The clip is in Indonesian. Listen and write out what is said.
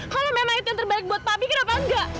kalau memang itu yang terbaik buat papi kenapa enggak